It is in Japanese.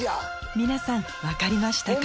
皆さん分かりましたか？